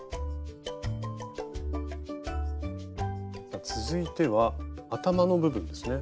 さあ続いては頭の部分ですね。